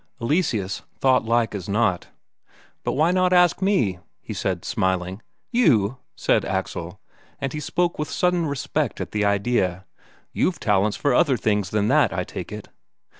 Eleseus thought like as not. "But why not ask me?" he said, smiling. "You?" said Axel, and he spoke with sudden respect at the idea. "You've talents for other things than that, I take it."